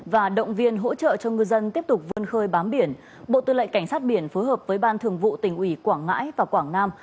và động viên hỗ trợ cho ngư dân tiếp tục vươn khơi bám biển bộ tư lệnh cảnh sát biển phối hợp với ban thường vụ tỉnh ủy quảng ngãi và quảng nam